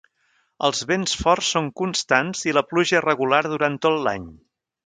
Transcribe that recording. Els vents forts són constants i la pluja és regular durant tot l'any.